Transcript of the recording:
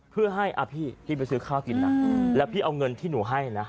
เพื่อให้พี่พี่ไปซื้อข้าวกินนะแล้วพี่เอาเงินที่หนูให้นะ